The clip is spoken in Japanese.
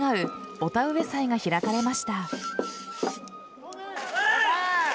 御田植祭が開かれました。